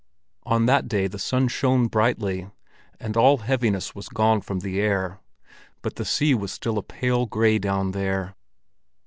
On that day the sun shone brightly, and all heaviness was gone from the air; but the sea was still a pale gray down there.